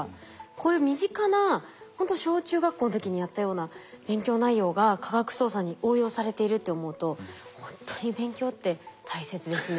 こういう身近なほんと小中学校の時にやったような勉強内容が科学捜査に応用されているって思うとほんとに勉強って大切ですね。